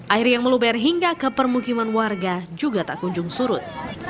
air yang meluber hingga ke permukiman warga juga tak kunjung surut